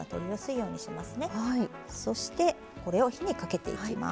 そしてこれを火にかけていきます。